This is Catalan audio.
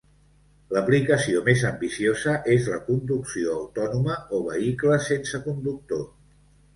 L'aplicació més ambiciosa és la conducció autònoma o vehicles sense conductor.